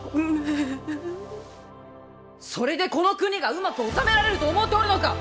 それでこの国がうまく治められると思うておるのか！